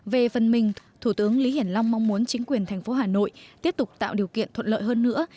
về phần mình thủ tướng lý hiển long mong muốn chính quyền thành phố hà nội tiếp tục tạo điều kiện thuận lợi hơn nữa